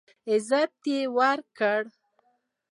عزت یې وکړ.